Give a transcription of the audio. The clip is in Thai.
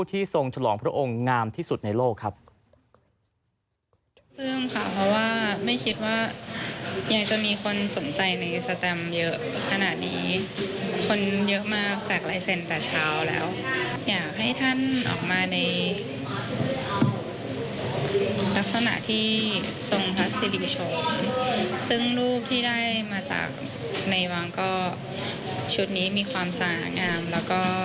มีภาษาธุษฎรภิกษาสนุกภัมณา